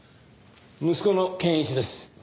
息子の憲一です。